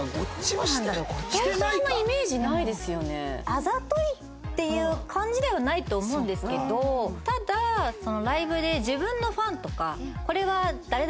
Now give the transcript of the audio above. あざといっていう感じではないと思うんですけどただうちわとか。